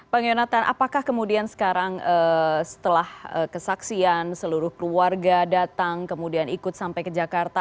bang yonatan apakah kemudian sekarang setelah kesaksian seluruh keluarga datang kemudian ikut sampai ke jakarta